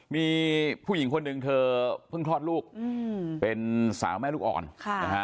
มีผู้หญิงคนหนึ่งเธอเพิ่งคลอดลูกเป็นสาวแม่ลูกอ่อนนะฮะ